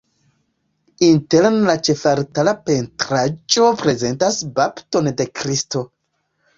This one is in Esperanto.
Interne la ĉefaltara pentraĵo prezentas bapton de Kristo.